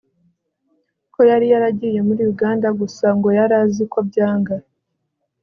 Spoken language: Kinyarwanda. ko yari yaragiye muri Uganda gusa ngo yarazi ko byanga